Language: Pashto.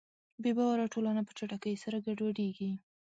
بېباوره ټولنه په چټکۍ سره ګډوډېږي.